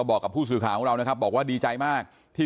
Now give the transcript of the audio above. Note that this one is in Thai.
บอกกับผู้สื่อข่าวของเรานะครับบอกว่า